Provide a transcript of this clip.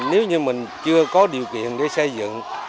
nếu như mình chưa có điều kiện để xây dựng